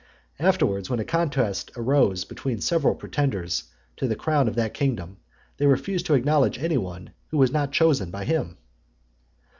Afterwards, when a contest arose between several pretenders to the crown of that kingdom, they refused to acknowledge any one who was not chosen by him.